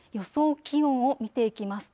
気温を見ていきますと